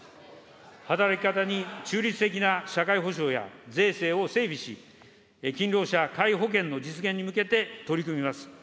働き方に中立的な社会保障や税制を整備し、勤労者皆保険の実現に向けて取り組みます。